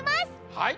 はい。